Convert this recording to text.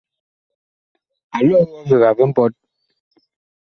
A loo ɔvega vi mpɔt.